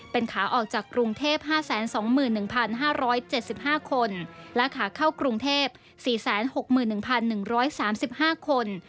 เป็นขาออกจากกรุงเทพ๕๒๑๕๗๕คนและขาเข้ากรุงเทพ๔๖๑๑๓๕คน